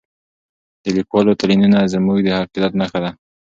د لیکوالو تلینونه زموږ د عقیدت نښه ده.